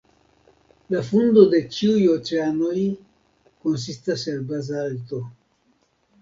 La fundo de ĉiuj oceanoj konsistas el bazalto.